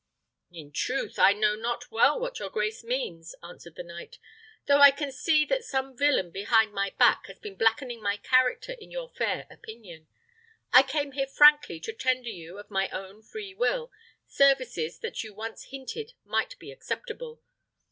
"In truth, I know not well what your grace means," answered the knight, "though I can see that some villain behind my back has been blackening my character in your fair opinion. I came here frankly to tender you, of my own free will, services that you once hinted might be acceptable.